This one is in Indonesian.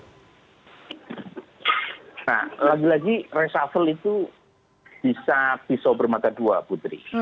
nah lagi lagi reshuffle itu bisa pisau bermata dua putri